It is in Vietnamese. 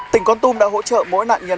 tỉnh con tôm đã hỗ trợ mỗi nạn nhân